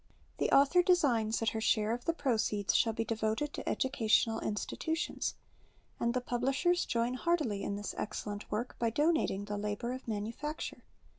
The author designs that her share of the proceeds shall be devoted to educational institutions ; and the publishers join heartily in this excellent zvork by donating the Ictbor of manufacture